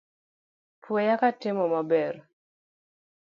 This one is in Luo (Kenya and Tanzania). Puoya katimo maber.